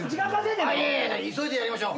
急いでやりましょう。